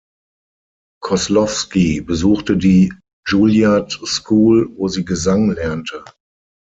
Kozlowski besuchte die Juilliard School, wo sie Gesang lernte.